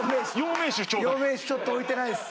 養命酒ちょっと置いてないです。